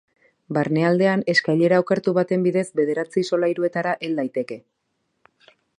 Barnealdean, eskailera okertu baten bidez bederatzi solairuetara hel daiteke.